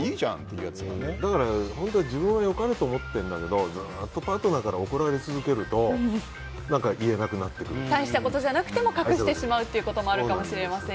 本当は自分は良かれと思ってるんだけどパートナーから怒られ続けると大したことなくても隠してしまうということもあるかもしれません。